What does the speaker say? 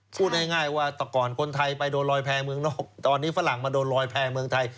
พูดง่ายว่าแต่ก่อนคนไทยไปโดนลอยแพรเมืองนอกตอนนี้ฝรั่งมาโดนลอยแพรเมืองไทย